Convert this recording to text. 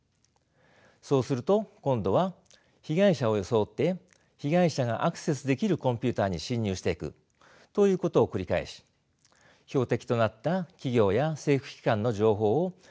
そうすると今度は被害者を装って被害者がアクセスできるコンピューターに侵入していくということを繰り返し標的となった企業や政府機関の情報を根こそぎ盗むのです。